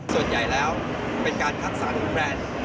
ส่วนใหญ่แล้วเป็นการคัดสรรแบรนด์